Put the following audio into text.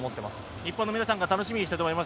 日本のみなさんは楽しみにしています。